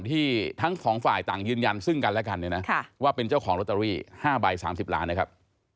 ทั้งสองฝ่ายต่างยืนยันซึ่งกันและกันเนี่ยนะว่าเป็นเจ้าของลอตเตอรี่๕ใบ๓๐ล้านนะครับ